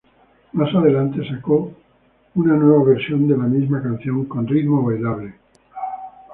Más adelante sacó su una nueva versión de la misma canción con ritmo bailable.